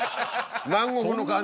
南国の感じ